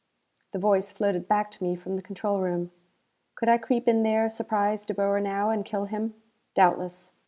The voice floated back to me from the control room. Could I creep in there, surprise De Boer now, and kill him? Doubtless.